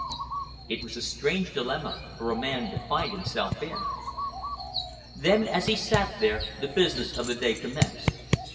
It was a strange dilemma for a man to find himself in. Then, as he sat there, the business of the day commenced.